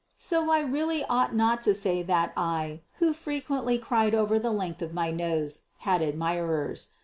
So I really ought not to say that I, who frequently cried over the length of my nose, had admirers.